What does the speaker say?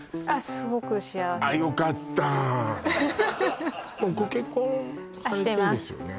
すごく幸せですあよかったご結婚されてるんですよね？